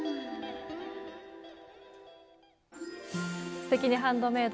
「すてきにハンドメイド」